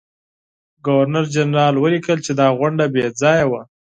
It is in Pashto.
ګورنرجنرال ولیکل چې دا غونډه بې ځایه وه.